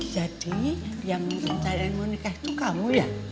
jadi yang cari yang mau nikah itu kamu ya